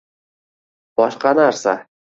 boshqa narsa.